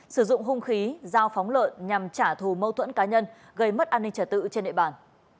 sử dụng hung khí dao phóng lợn nhằm trả thù mâu thuẫn cá nhân gây mất an ninh trả tự trên địa bàn